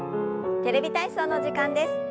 「テレビ体操」の時間です。